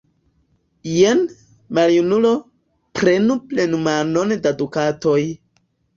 Jen, maljunulo, prenu plenmanon da dukatoj!